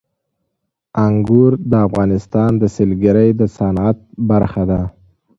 انګور د افغانستان د سیلګرۍ د صنعت برخه ده.